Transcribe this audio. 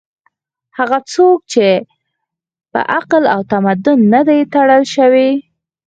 هغه څوک چې په عقل او تمدن نه دي تړل شوي